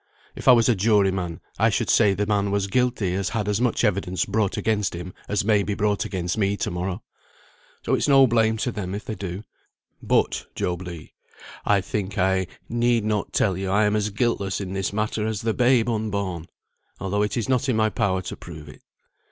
If I was a jury man, I should say the man was guilty as had as much evidence brought against him as may be brought against me to morrow. So it's no blame to them if they do. But, Job Legh, I think I need not tell you I am as guiltless in this matter as the babe unborn, although it is not in my power to prove it.